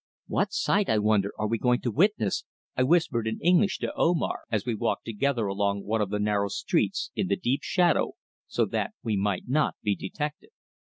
"What sight, I wonder, are we going to witness?" I whispered in English to Omar, as we walked together along one of the narrow streets in the deep shadow so that we might not be detected.